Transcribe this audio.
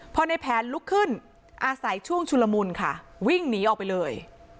พอในแผนลุกขึ้นอาศัยช่วงชุลมุนค่ะวิ่งหนีออกไปเลย